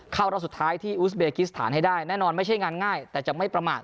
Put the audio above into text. เข้ารอบสุดท้ายที่อุสเบกิสถานให้ได้แน่นอนไม่ใช่งานง่ายแต่จะไม่ประมาท